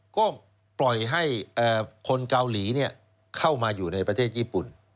ก็ปล่อยให้คนเกาหลีเข้ามาอยู่ในประเทศญี่ปุ่น